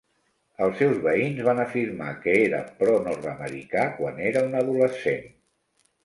Els seus veïns van afirmar que era pronord-americà quan era un adolescent.